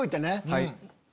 はい。